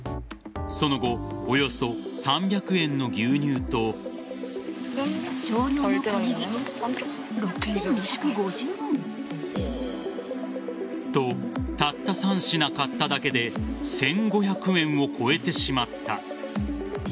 その後およそ３００円の牛乳と。と、たった３品買っただけで１５００円を超えてしまった。